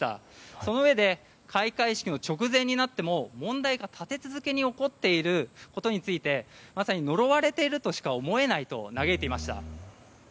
そのうえで開会式の直前になっても問題が立て続けに起こっていることについてまさに呪われているとしか思えないと嘆いていました。